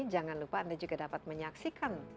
jangan lupa anda juga dapat menyaksikan